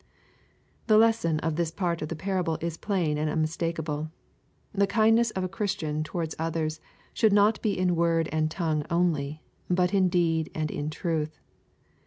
'] The lesson of this part of the parable is plain and nnmistakeable. The kindness of a Christian towards others should not be in word and in tongue only, but in deed and in truth.